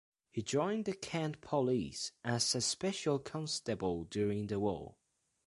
He joined the Kent police as a special constable during the war.